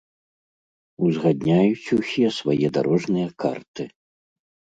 Узгадняюць усе свае дарожныя карты.